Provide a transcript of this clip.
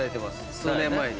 数年前に。